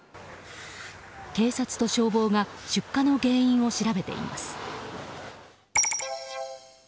警察と消防が出火の原因を調べています。